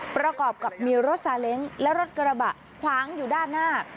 ประกอบกับมีรถซาเล้งและรถกระบะขวางอยู่ด้านหน้า